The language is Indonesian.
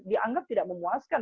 dianggap tidak memuaskan